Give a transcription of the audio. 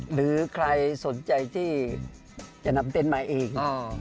หรือใครสนใจที่จะนำเต้นมาเอง